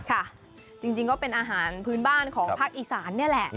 จริงก็เป็นอาหารพื้นบ้านของภาคอีสานนี่แหละ